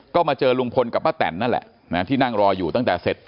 ก็มาเจอลุงพลกับป้าแตนนั่นแหละนะที่นั่งรออยู่ตั้งแต่เสร็จ